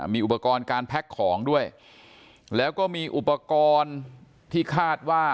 มีอุปกรณ์การแพ็คของด้วยแล้วก็มีอุปกรณ์ที่คาดว่า